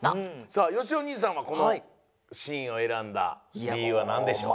さあよしお兄さんはこのシーンを選んだりゆうはなんでしょう？